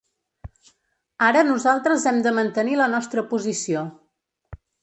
Ara nosaltres hem de mantenir la nostra posició.